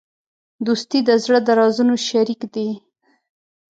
دوستي د زړه د رازونو شریک دی.